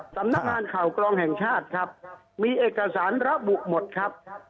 สำนักงานข่าวกรองแห่งชาติครับมีเอกสารระบุหมดครับ